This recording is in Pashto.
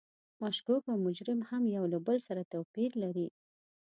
مشکوک او مجرم هم یو له بل سره توپیر لري.